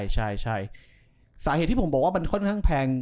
ใช่สาเหตุที่ผมบอกว่ามันค่อนข้างแพง